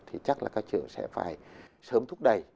thì chắc là các trường sẽ phải sớm thúc đẩy